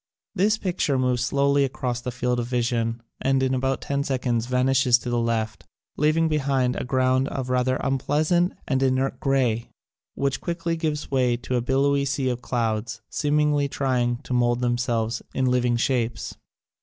This picture moves slowly across the field of vision and in about ten seconds vanishes to the left, leaving behind a ground of rather unpleasant and inert grey which quickly gives way to a billowy sea of clouds, seemingly trying to mould themselves in living shapes.